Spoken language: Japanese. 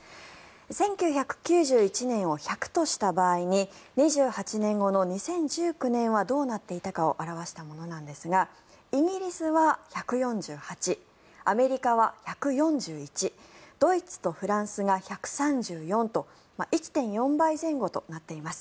１９９１年を１００とした場合に２８年後の２０１９年はどうなっていたかを表したものですがイギリスは１４８アメリカは１４１ドイツとフランスが１３４と１．４倍前後となっています。